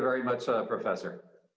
terima kasih banyak profesor